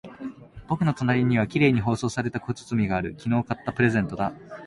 僕の隣には綺麗に包装された小包がある。昨日買ったプレゼントだ。